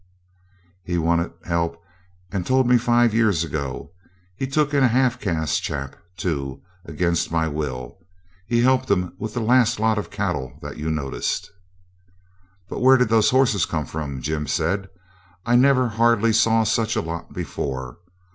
He wanted help, and told me five years ago. He took in a half caste chap, too, against my will. He helped him with that last lot of cattle that you noticed.' 'But where did those horses come from?' Jim said. 'I never hardly saw such a lot before.